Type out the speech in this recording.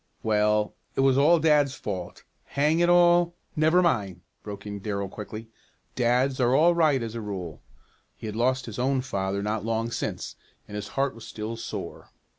"Well, it was all dad's fault. Hang it all " "Never mind," broke in Darrell quickly. "Dads are all right as a rule." He had lost his own father not long since, and his heart was still sore.